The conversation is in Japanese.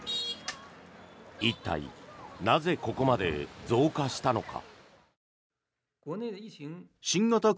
一体、なぜここまで増加したのか。